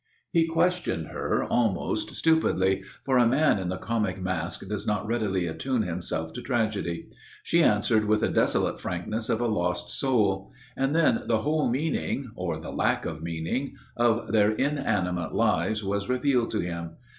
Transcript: He questioned her almost stupidly for a man in the comic mask does not readily attune himself to tragedy. She answered with the desolate frankness of a lost soul. And then the whole meaning or the lack of meaning of their inanimate lives was revealed to him.